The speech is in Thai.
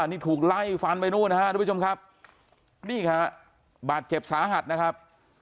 หนูถูกไล่ฟันไปนู่นฮะดูเพิ่มชมครับนี่ค่ะบาดเจ็บสาหัสนะครับ